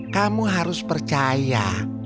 kamu harus percaya